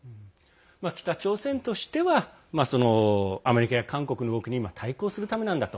北朝鮮としてはアメリカや韓国の動きに対抗するためなんだと。